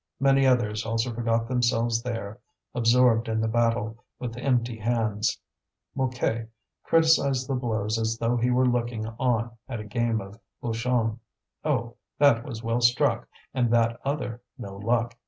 Many others also forgot themselves there, absorbed in the battle, with empty hands. Mouquet criticized the blows as though he were looking on at a game of bouchon. Oh, that was well struck! and that other, no luck!